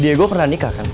dia punya anaknya kan